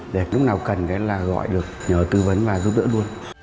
để lúc nào cần gọi được nhờ tư vấn và giúp đỡ luôn